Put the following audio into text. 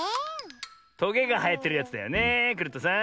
トゲがはえてるやつだよねえクルットさん。